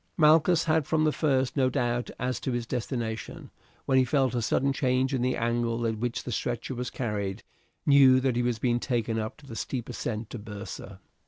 Malchus had from the first no doubt as to his destination, and when he felt a sudden change in the angle at which the stretcher was carried, knew that he was being taken up the steep ascent to Byrsa.